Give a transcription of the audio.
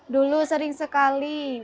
dulu sering sekali